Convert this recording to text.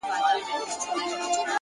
صبر د لوړو هدفونو خاموش ملګری دی،